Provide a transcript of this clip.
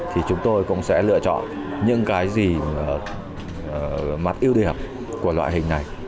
thì chúng tôi cũng sẽ lựa chọn những cái gì mặt ưu điểm của loại hình này